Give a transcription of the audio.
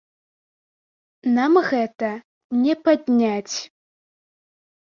Нам гэта не падняць.